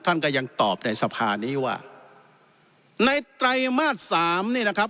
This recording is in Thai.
ท่านก็ยังตอบในสภานี้ว่าในไตรมาสสามนี่นะครับ